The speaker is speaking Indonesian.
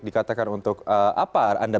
dikatakan untuk apa